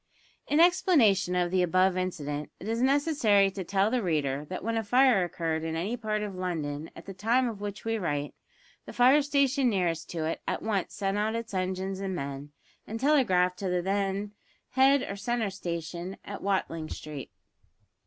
In explanation of the above incident, it is necessary to tell the reader that when a fire occurred in any part of London at the time of which we write, the fire station nearest to it at once sent out its engines and men, and telegraphed to the then head or centre station at Watling Street.